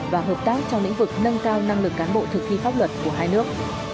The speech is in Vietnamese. và hợp tác trong lĩnh vực nâng cao năng lực cán bộ thực thi pháp luật của hai nước